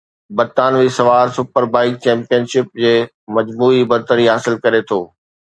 برطانوي سوار super bike championship جي مجموعي برتري حاصل ڪري ٿو